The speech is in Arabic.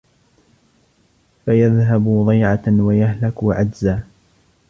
فَيَذْهَبُوا ضَيْعَةً وَيَهْلَكُوا عَجْزًا